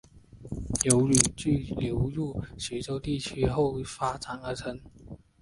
由豫剧流入徐州地区后发展而成。